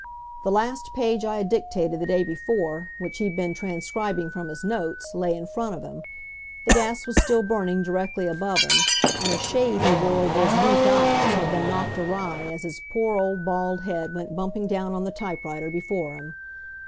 The last page I had dictated the day before, which he'd been transcribing from his notes, lay in front of him; the gas was still burning directly above him, and a shade he wore over his weak eyes had been knocked awry as his poor old bald head went bumping down on the type writer before him.